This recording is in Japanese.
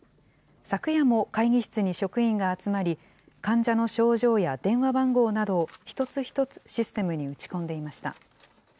昨夜も会議室に職員が集まり、患者の症状や電話番号などを一つ一つシステムに打ち込んでいました。